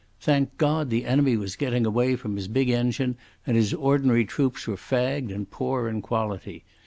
Thank God, the enemy was getting away from his big engine, and his ordinary troops were fagged and poor in quality.